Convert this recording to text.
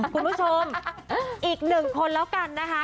คุณผู้ชมอีกหนึ่งคนแล้วกันนะคะ